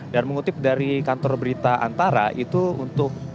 dan mengutip dari kantor berita antara itu untuk